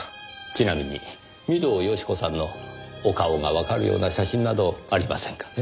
ちなみに御堂好子さんのお顔がわかるような写真などありませんかね？